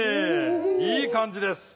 いい感じです。